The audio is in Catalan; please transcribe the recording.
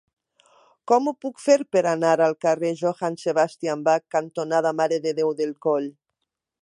Com ho puc fer per anar al carrer Johann Sebastian Bach cantonada Mare de Déu del Coll?